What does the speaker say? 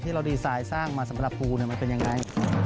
เราดีไซน์สร้างมาสำหรับปูมันเป็นยังไง